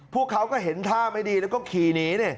พวกเขาก็เห็นท่าไม่ดีแล้วก็ขี่หนี